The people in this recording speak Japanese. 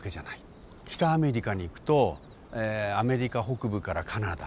北アメリカにいくとアメリカ北部からカナダ。